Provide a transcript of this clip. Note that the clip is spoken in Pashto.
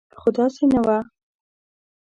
خو داسې نه وه.